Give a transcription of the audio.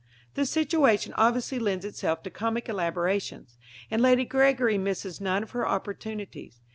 The situation obviously lends itself to comic elaborations, and Lady Gregory misses none of her opportunities.